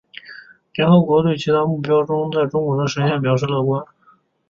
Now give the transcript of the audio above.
联合国对其他目标在中国的实现表示乐观。